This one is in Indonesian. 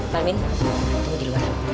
pak min kamu di luar